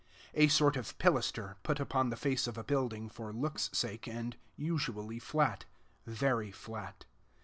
a sort of pilaster, put upon the face of a building for looks' sake, and usually flat, very flat.